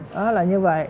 đó là như vậy